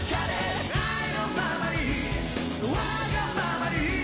「愛のままにわがままに」